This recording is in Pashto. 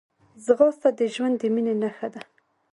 ځغاسته د ژوند د مینې نښه ده